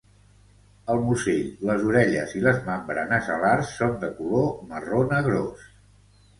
El musell, les orelles i les membranes alars són de color marró negrós.